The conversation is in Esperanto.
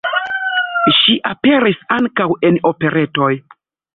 Ŝi aperis ankaŭ en operetoj.